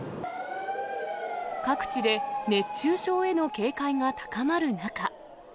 各地で熱中症への警戒が高まる中。